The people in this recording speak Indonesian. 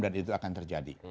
dan itu akan terjadi